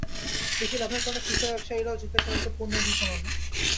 বেশি লাভের কারণে খুচরা ব্যবসায়ীরাও ঝুঁকছেন এসব পণ্যের বিপণনে।